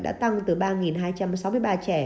đã tăng từ ba hai trăm sáu mươi ba trẻ